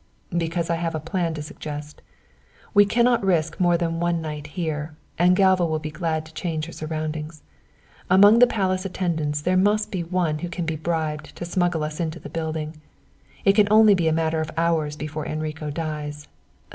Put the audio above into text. "Because I have a plan to suggest. We cannot risk more than one night here, and Galva will be glad to change her surroundings. Among the palace attendants there must be one who can be bribed to smuggle us into the building. It can only be a matter of hours before Enrico dies.